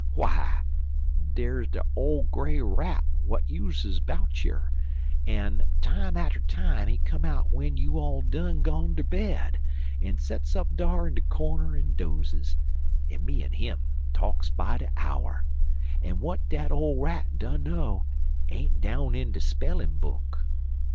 W'y, der's er old gray rat w'at uses 'bout yer, en time atter time he comes out w'en you all done gone ter bed en sets up dar in de cornder en dozes, en me en him talks by de 'our; en w'at dat old rat dunno ain't down in de spellin' book.